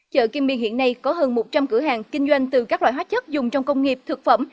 chợ kim my hiện nay có hơn một trăm linh cửa hàng kinh doanh từ các loại hóa chất dùng trong công nghiệp thực phẩm